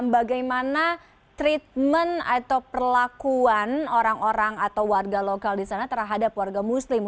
bagaimana treatment atau perlakuan orang orang atau warga lokal di sana terhadap warga muslim